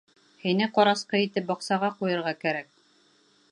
Һине ҡарасҡы итеп баҡсаға ҡуйырға кәрәк.